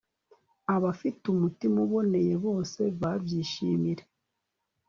abafite umutima uboneye bose babyishimire